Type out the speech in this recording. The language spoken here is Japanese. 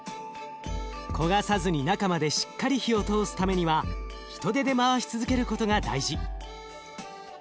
焦がさずに中までしっかり火を通すためには人手で回し続けることが大事。